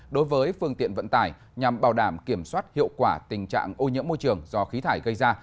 đối với phương tiện vận tải nhằm bảo đảm kiểm soát hiệu quả tình trạng ô nhiễm môi trường do khí thải gây ra